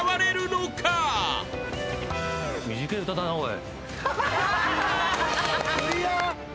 短え歌だなおい。